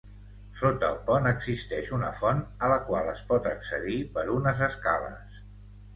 Sota el pont existeix una font, a la qual es pot accedir per unes escales.